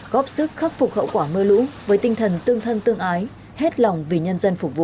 góp sức khắc phục hậu quả mưa lũ với tinh thần tương thân tương ái hết lòng vì nhân dân phục vụ